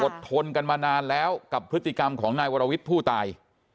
ทนกันมานานแล้วกับพฤติกรรมของนายวรวิทย์ผู้ตาย